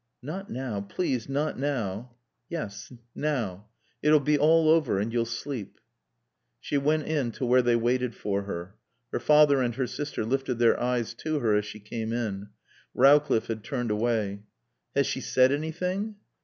"Not now please, not now." "Yes. Now. It'll be all over. And you'll sleep." She went in to where they waited for her. Her father and her sister lifted their eyes to her as she came in. Rowcliffe had turned away. "Has she said anything?"